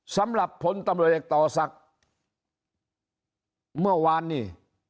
สำหรับผลตำรวจเอกต่อศักดิ์เมื่อวานนี้